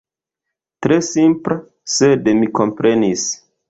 Tre simpla, sed mi komprenis.